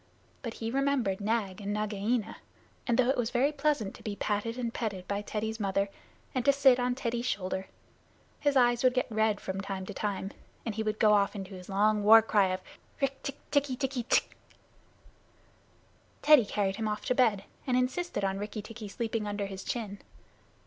But he remembered Nag and Nagaina, and though it was very pleasant to be patted and petted by Teddy's mother, and to sit on Teddy's shoulder, his eyes would get red from time to time, and he would go off into his long war cry of "Rikk tikk tikki tikki tchk!" Teddy carried him off to bed, and insisted on Rikki tikki sleeping under his chin.